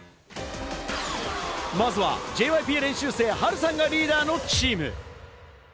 まずはＪＹＰ練習生ハルさんがリーダーのチーム。